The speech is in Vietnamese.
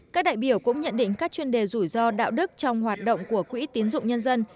các đại biểu cũng nhận định các chuyên đề rủi ro đạo đức trong hoạt động của quỹ tín dụng nhân dân